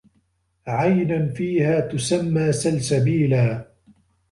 عَينًا فيها تُسَمّى سَلسَبيلًا